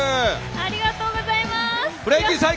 ありがとうございます！